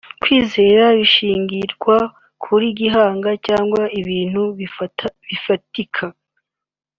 Kwizerwa bishingirwa kuri gihamya cyangwa ibintu bifatika